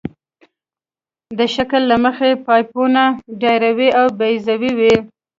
د شکل له مخې پایپونه دایروي او بیضوي وي